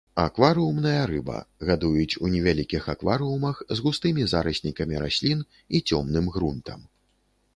Акварыумная рыба, гадуюць у невялікіх акварыумах з густымі зараснікамі раслін і цёмным грунтам.